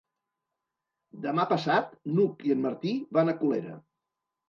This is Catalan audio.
Demà passat n'Hug i en Martí van a Colera.